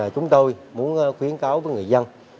chúng tôi muốn khuyến cáo với người dân